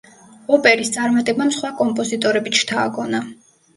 ოპერის წარმატებამ სხვა კომპოზიტორებიც შთააგონა.